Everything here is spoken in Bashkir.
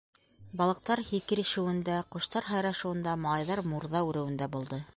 Балыҡтар һикерешеүендә, ҡоштар һайрашыуында, малайҙар мурҙа үреүендә булды.